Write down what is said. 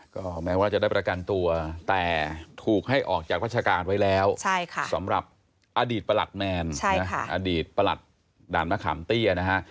ก็แม้ว่าจะได้ประกันตัวแต่ถูกให้ออกจากราชการไว้แล้วสำหรับอดีตประหลัดแมนอดีตประหลัดด่านมะขามเตี้ยนะฮะ